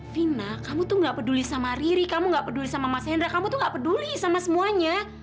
vina kamu tuh gak peduli sama riri kamu gak peduli sama mas hendra kamu tuh gak peduli sama semuanya